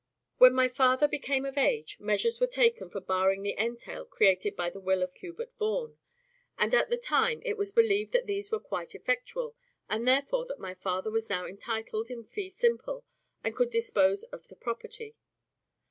When my father became of age, measures were taken for barring the entail created by the will of Hubert Vaughan; and at the time it was believed that these were quite effectual, and therefore that my father was now entitled in fee simple, and could dispose of the property.